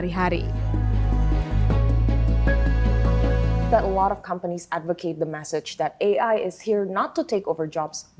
pertanyaan pertama dari paul burton adalah apa yang akan dilakukan oleh perusahaan ai di peringkat kepentingan